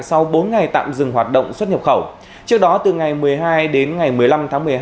sau bốn ngày tạm dừng hoạt động xuất nhập khẩu trước đó từ ngày một mươi hai đến ngày một mươi năm tháng một mươi hai